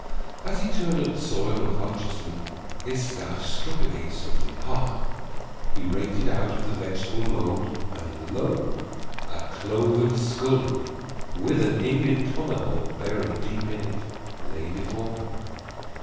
As he turned up the soil unconsciously, his staff struck against something hard. He raked it out of the vegetable mould, and lo! a cloven skull, with an Indian tomahawk buried deep in it, lay before him.